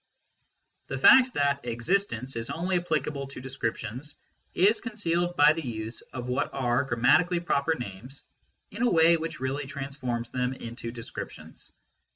The fact that " existence " is only applicable to descriptions is concealed by the use of what are gram matically proper names in a way which really transforms them into descriptions.